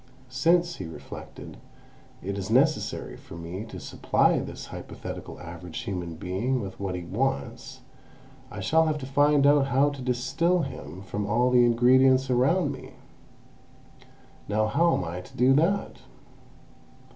"Since," he reflected, "it is necessary for me to supply this hypothetical average human being with what he wants, I shall have to find out how to distil him from all the ingredients around me. Now how am I to do that?